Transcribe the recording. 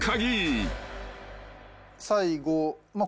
最後まあ